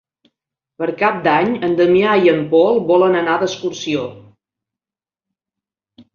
Per Cap d'Any en Damià i en Pol volen anar d'excursió.